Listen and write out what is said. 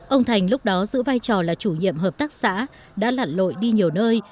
ông thành lúc đó giữ vai trò là chủ nhiệm hợp tác xã đã lặn lội đi nhiều nơi